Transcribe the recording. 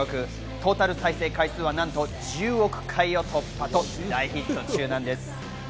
トータル再生記録は何と１０億回を突破と大ヒット中なんです。